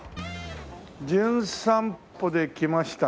『じゅん散歩』で来ましたね